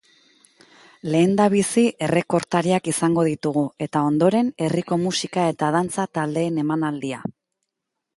Lehendabizi errekortariak izango ditugu eta ondoren herriko musika eta dantza taldeen emanaldia.